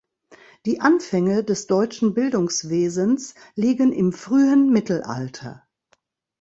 Die Anfänge des deutschen Bildungswesens liegen im frühen Mittelalter.